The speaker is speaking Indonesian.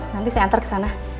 nanti saya antar kesana